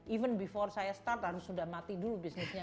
even before saya start harus sudah mati dulu bisnisnya